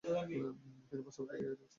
কিন্তু বাস্তবতা কি এর চেয়ে ভিন্ন।